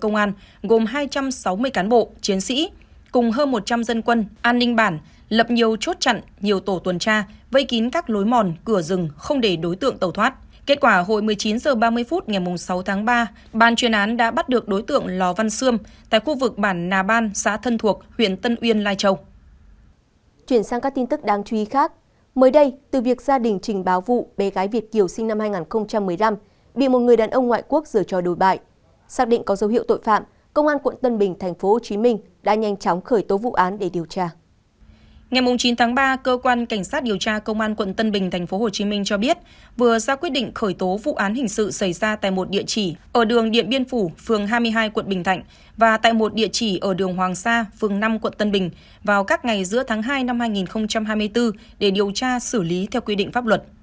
cơ quan cảnh sát điều tra công an quận tân bình tp hcm cho biết vừa ra quyết định khởi tố vụ án hình sự xảy ra tại một địa chỉ ở đường điện biên phủ phường hai mươi hai quận bình thạnh và tại một địa chỉ ở đường hoàng sa phường năm quận tân bình vào các ngày giữa tháng hai năm hai nghìn hai mươi bốn để điều tra xử lý theo quy định pháp luật